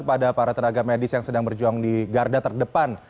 pada para tenaga medis yang sedang berjuang di garda terdepan